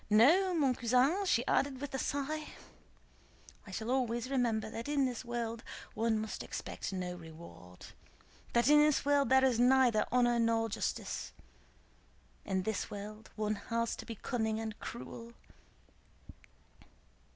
No, mon cousin," she added with a sigh, "I shall always remember that in this world one must expect no reward, that in this world there is neither honor nor justice. In this world one has to be cunning and cruel."